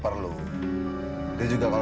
perlu dengan cek